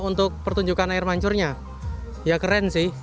untuk pertunjukan air mancurnya ya keren sih